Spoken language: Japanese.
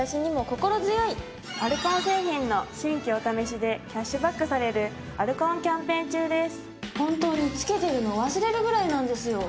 アルコン製品の新規お試しでキャッシュバックされるアルコンキャンペーン中です。